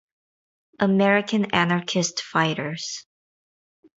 American Anarchists Fighters.